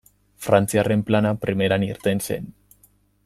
Frantziarren plana primeran irten zen.